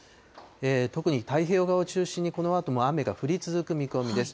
特に太平洋側を中心に、このあとも雨が降り続く見込みです。